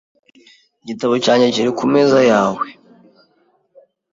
Igitabo cyanjye kiri kumeza yawe .